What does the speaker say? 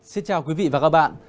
xin chào quý vị và các bạn